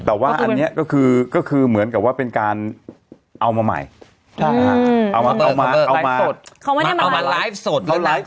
แต่ว่าอันนี้ก็คือเหมือนกับว่าเป็นการเอามาใหม่เอามาสด